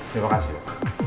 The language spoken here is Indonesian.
terima kasih dok